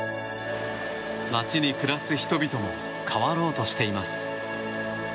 街に暮らす人々も変わろうとしています。